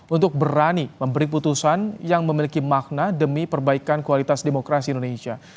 untuk berani memberi putusan yang memiliki makna demi perbaikan kualitas demokrasi indonesia